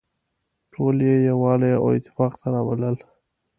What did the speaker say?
ټول يې يووالي او اتفاق ته رابلل.